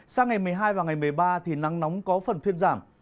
sang ngày một mươi hai và ngày một mươi ba thì nắng nóng có phần thuyên giảm